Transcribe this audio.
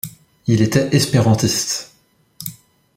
Il était espérantiste.